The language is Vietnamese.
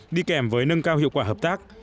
đi kèm với nâng cao hiệu quả hợp tác